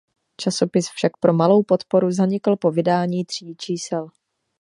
Časopis však pro malou podporu zanikl po vydání tří čísel.